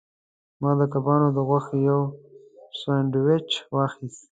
ما د کبانو د غوښې یو سانډویچ واخیست.